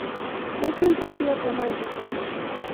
Es un templo románico.